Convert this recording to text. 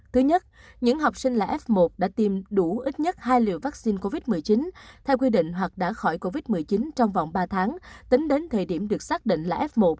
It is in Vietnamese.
thứ nhất những học sinh là f một đã tiêm đủ ít nhất hai liều vaccine covid một mươi chín theo quy định hoặc đã khỏi covid một mươi chín trong vòng ba tháng tính đến thời điểm được xác định là f một